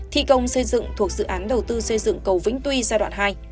thi công xây dựng thuộc dự án đầu tư xây dựng cầu vĩnh tuy giai đoạn hai